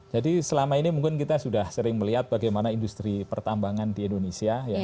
jadi selama ini mungkin kita sudah sering melihat bagaimana industri pertambangan di indonesia